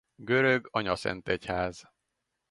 Görög anyaszentegyház.